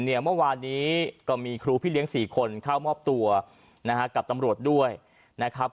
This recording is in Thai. เมื่อวานนี้ก็มีครูพี่เลี้ยง๔คนเข้ามอบตัวนะฮะกับตำรวจด้วยนะครับ